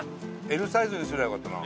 Ｌサイズにすりゃよかったな。